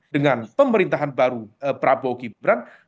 dengan pemerintahan baru prabowo gibran